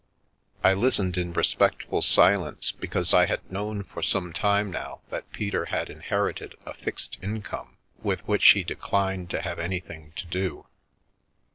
I listened in respectful silence, because I had known for some time now that Peter had inherited a fixed in come, with which he declined to have anything to do.